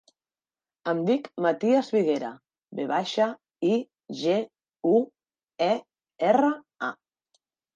Em dic Matías Viguera: ve baixa, i, ge, u, e, erra, a.